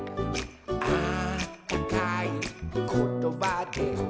「あったかいことばで」